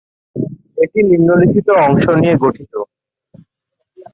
এটি নিম্নলিখিত অংশ নিয়ে গঠিত।